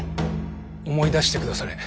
思い出してくだされ。